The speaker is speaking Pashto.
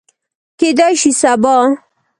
کیدای شي سبا